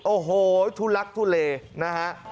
โอ้โหทุลักทุเลนะฮะ